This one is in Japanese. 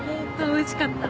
おいしかった？